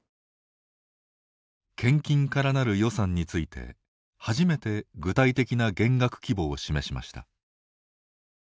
献金からなる予算について初めて具体的な減額規模を示しました。